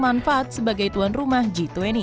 manfaat sebagai tuan rumah g dua puluh